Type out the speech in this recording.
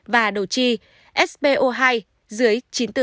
và đầu chi spo hai dưới chín mươi bốn